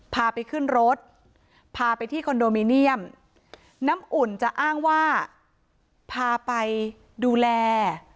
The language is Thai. พาไปขึ้นรถพาไปที่คอนโดมิเนียมน้ำอุ่นจะอ้างว่าพาไปดูแล